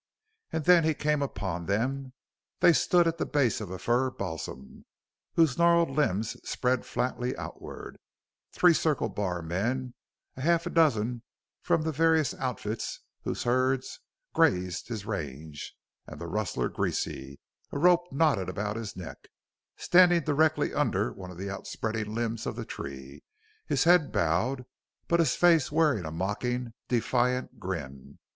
And then he came upon them. They stood at the base of a fir balsam, whose gnarled limbs spread flatly outward three Circle Bar men, a half dozen from the various outfits whose herds grazed his range, and the rustler Greasy a rope knotted about his neck, standing directly under one of the out spreading limbs of the tree, his head bowed, but his face wearing a mocking, defiant grin.